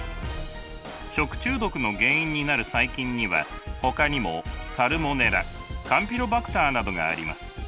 食中毒の原因になる細菌にはほかにもサルモネラカンピロバクターなどがあります。